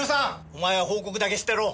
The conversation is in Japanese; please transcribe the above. お前は報告だけしてろ。